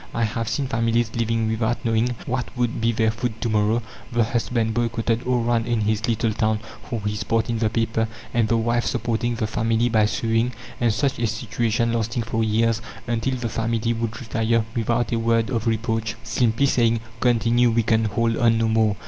I have seen families living without knowing what would be their food to morrow, the husband boycotted all round in his little town for his part in the paper, and the wife supporting the family by sewing, and such a situation lasting for years, until the family would retire, without a word of reproach, simply saying: "Continue; we can hold on no more!"